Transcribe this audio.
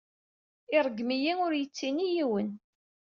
Iṛeggem-iyi ur yettini i yiwen.